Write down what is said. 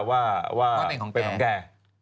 ว่าเป็นของแก